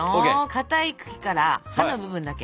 かたい茎から葉の部分だけ。